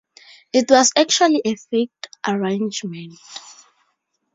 It was actually a faked arrangement.